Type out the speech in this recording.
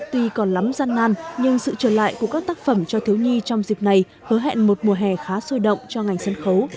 tuy còn lắm gian nan nhưng sự trở lại của các tác phẩm cho thiếu nhi trong dịp này hứa hẹn một mùa hè khá sôi động cho ngành sân khấu